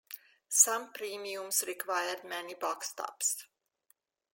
Some premiums required many boxtops.